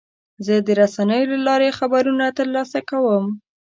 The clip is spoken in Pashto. زه د رسنیو له لارې خبرونه ترلاسه کوم.